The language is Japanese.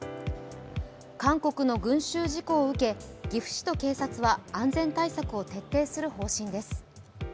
韓国の群集事故を受け岐阜市と警察は安全対策を徹底する方針です。